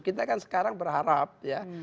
kita kan sekarang berharap ya